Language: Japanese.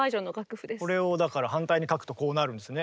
これをだから反対に書くとこうなるんですね。